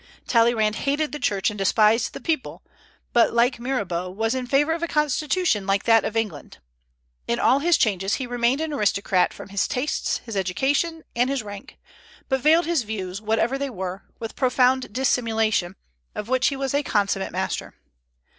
Talleyrand hated the Church and despised the people, but, like Mirabeau, was in favor of a constitution like that of England, In all his changes he remained an aristocrat from his tastes, his education, and his rank, but veiled his views, whatever they were, with profound dissimulation, of which he was a consummate master.